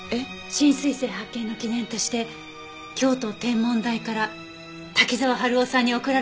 新彗星発見の記念として京都天文台から滝沢春夫さんに贈られた隕石です。